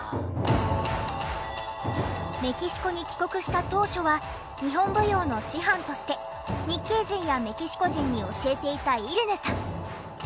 メキシコに帰国した当初は日本舞踊の師範として日系人やメキシコ人に教えていたイレネさん。